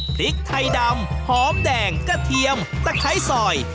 พริกไทยดำหอมแดงกระเทียมตะไคร้ซอย